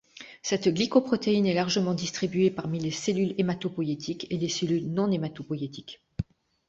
Cette glycoprotéine est largement distribué parmi les cellules hématopoïétiques et les cellules non hématopoïétiques.